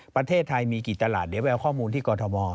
ประเทศไทยมีกี่ตลาดเดี๋ยวไปเอาข้อมูลที่กรทม